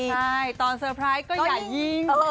ใช่ตอนเซอร์ไพรส์ก็อย่ายิ่ง